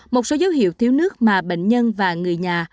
một số dấu hiệu thiếu nước mà bệnh nhân và người nhà